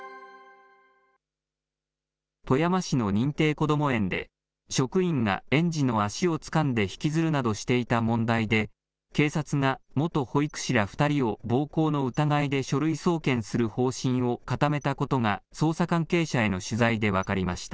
富山市の認定こども園で、職員が園児の足をつかんで引きずるなどしていた問題で、警察が元保育士ら２人を暴行の疑いで書類送検する方針を固めたことが、捜査関係者への取材で分かりました。